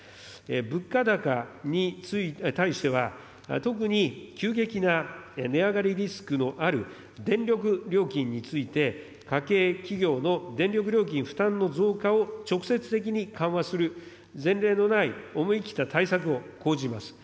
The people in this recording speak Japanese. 物価高に対しては、特に急激な値上がりリスクのある電力料金について家計、企業の電力料金負担の増加を直接的に緩和する、前例のない思い切った対策を講じます。